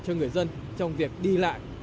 cho người dân trong việc đi lại